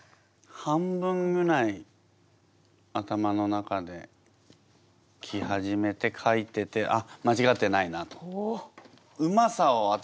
半分ぐらい頭の中で来始めて書いててあっまちがってないなと。